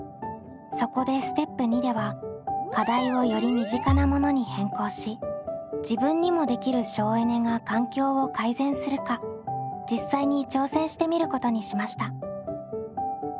そこでステップ②では課題をより身近なものに変更し自分にもできる省エネが環境を改善するか実際に挑戦してみることにしました。